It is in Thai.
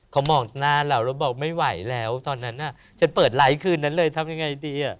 เขามองหน้าเราแล้วบอกไม่ไหวแล้วตอนนั้นฉันเปิดไลค์คืนนั้นเลยทำยังไงดี